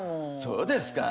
そうですか？